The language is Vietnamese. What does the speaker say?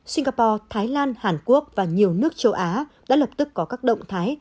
singapore thái lan hàn quốc và nhiều nước châu á đã lập tức có các động thái